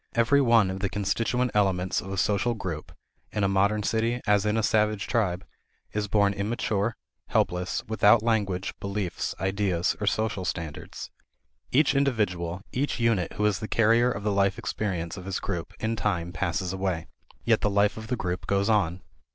Every one of the constituent elements of a social group, in a modern city as in a savage tribe, is born immature, helpless, without language, beliefs, ideas, or social standards. Each individual, each unit who is the carrier of the life experience of his group, in time passes away. Yet the life of the group goes on.